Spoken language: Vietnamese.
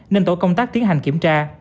nên tổ công tác tiến hành kiểm tra